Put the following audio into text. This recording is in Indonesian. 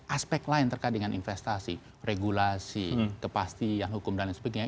aspek lain terkait dengan investasi regulasi kepasti yang hukum dan sebagainya